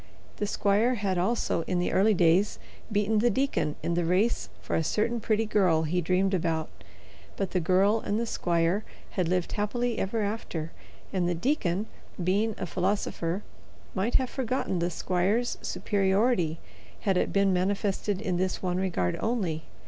The squire had also in the early days beaten the deacon in the race for a certain pretty girl he dreamed about. But the girl and the squire had lived happily ever after and the deacon, being a philosopher, might have forgotten the squire's superiority had it been manifested in this one regard only.